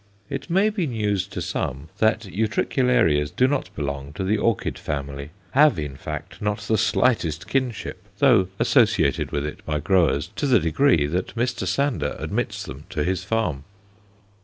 It may be news to some that Utricularias do not belong to the orchid family have, in fact, not the slightest kinship, though associated with it by growers to the degree that Mr. Sander admits them to his farm.